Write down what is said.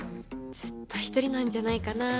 ずっと一人なんじゃないかなって。